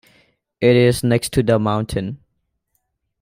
It is next to the mountain.